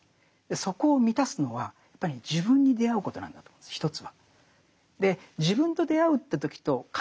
そこを満たすのはやっぱり自分に出会うことなんだと思うんです一つは。